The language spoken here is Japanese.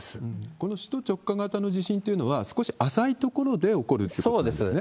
この首都直下型の地震というのは、少し浅い所で起こるってことなんですね？